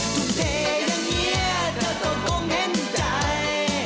ทุกเทอย่างเงียดแต่ต้องคงเห็นใจ